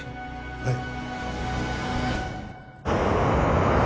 はい。